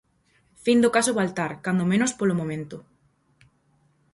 Fin do caso Baltar, cando menos polo momento.